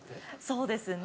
そうですね。